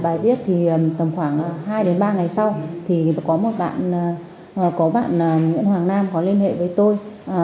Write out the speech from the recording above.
bài viết thì tầm khoảng hai đến ba ngày sau thì có một bạn có bạn nguyễn hoàng nam có liên hệ với tôi